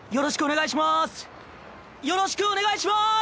よろしくお願いします。